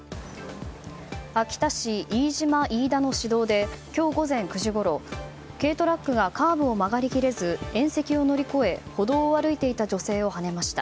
秋田市飯島飯田の市道で今日午前９時ごろ、軽トラックがカーブを曲がり切れず縁石を乗り越え歩道を歩いていた女性をはねました。